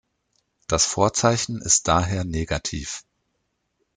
Das Vorzeichen ist daher negativ.